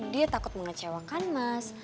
dia takut mengecewakan mas